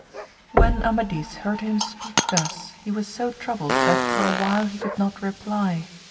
When Amadis heard him speak thus, he was so troubled that for a while he could not reply.